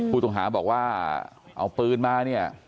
ผู้ต้องหาบอกว่าเอาปืนมาเนี่ย